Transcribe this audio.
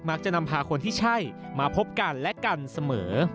มาพบกันและกันเสมอ